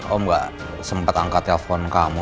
om gak sempet angkat telepon kamu